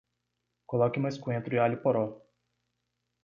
Coloque mais coentro e alho-poró